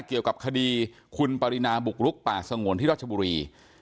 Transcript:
เกี่ยวกับคดีคุณปรินาบุกลุกป่าสงวนที่รัชบุรี